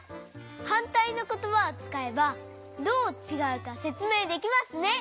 はんたいのことばをつかえばどうちがうかせつめいできますね。